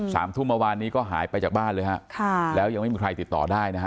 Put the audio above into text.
สามทุ่มเมื่อวานนี้ก็หายไปจากบ้านเลยฮะค่ะแล้วยังไม่มีใครติดต่อได้นะฮะ